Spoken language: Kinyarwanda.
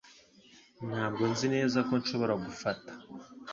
Ntabwo nzi neza ko nshobora gufata .